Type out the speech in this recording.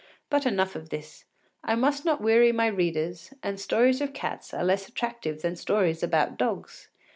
But enough of this; I must not weary my readers, and stories of cats are less attractive than stories about dogs.